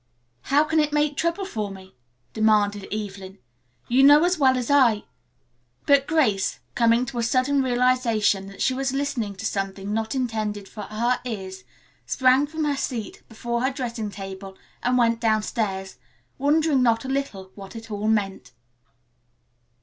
"How can it make trouble for me?" demanded Evelyn. "You know as well as I " But Grace, coming to a sudden realization that she was listening to something not intended for her ears, sprang from her seat before her dressing table and went downstairs, wondering not a little what it all meant.